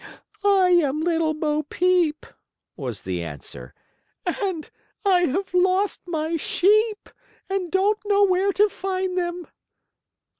"I am Little Bo Peep," was the answer, "and I have lost my sheep, and don't know where to find them."